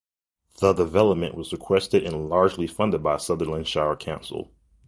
The development was requested and largely funded by Sutherland Shire Council.